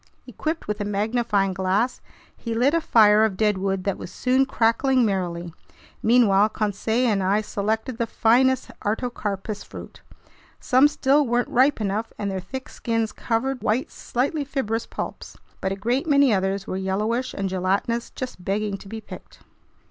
Equipped with a magnifying glass, he lit a fire of deadwood that was soon crackling merrily. Meanwhile Conseil and I selected the finest artocarpus fruit. Some still weren't ripe enough, and their thick skins covered white, slightly fibrous pulps. But a great many others were yellowish and gelatinous, just begging to be picked.